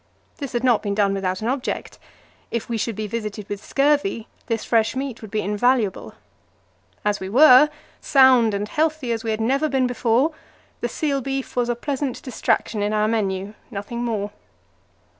This had not been done without an object; if we should be visited with scurvy, this fresh meat would be invaluable. As we were sound and healthy as we had never been before the seal beef was a pleasant distraction in our menu, nothing more.